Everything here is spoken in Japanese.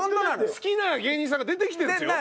好きな芸人さんが出てきてるんですよ？